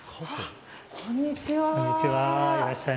こんにちは。